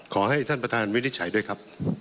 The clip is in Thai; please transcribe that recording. ขอให้ท่านประธานวินิจฉัยด้วยครับ